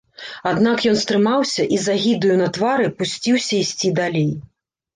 Аднак ён стрымаўся і з агідаю на твары пусціўся ісці далей.